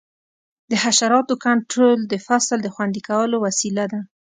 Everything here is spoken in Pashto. د حشراتو کنټرول د فصل د خوندي کولو وسیله ده.